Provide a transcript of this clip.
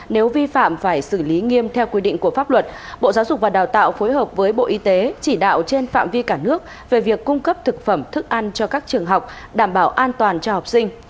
nếu vi phạm phải xử lý nghiêm theo quy định của pháp luật bộ giáo dục và đào tạo phối hợp với bộ y tế chỉ đạo trên phạm vi cả nước về việc cung cấp thực phẩm thức ăn cho các trường học đảm bảo an toàn cho học sinh